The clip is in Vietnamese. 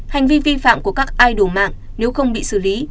hành vi vi phạm của các idol mạng nếu không bị xử lý